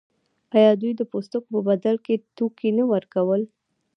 آیا دوی د پوستکو په بدل کې توکي نه ورکول؟